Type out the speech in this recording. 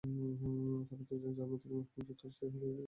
তারা দুজনেই জার্মানি থেকে মার্কিন যুক্তরাষ্ট্রে আগত ইহুদি অভিবাসী।